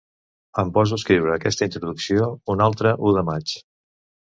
Em poso a escriure aquesta introducció un altre u de maig.